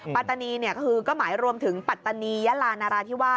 ปรารถนีก็หมายรวมถึงปรารถนียลานาราธิวาล